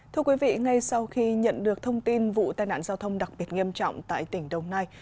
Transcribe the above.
thưa quý vị ngay sau khi nhận được thông tin vụ tai nạn giao thông đặc biệt nghiêm trọng tại tỉnh đồng nai